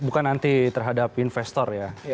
bukan nanti terhadap investor ya